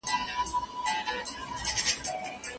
تل ځانونه په ګټورو کارونو او فعالیتونو باندې بوخت وساتئ.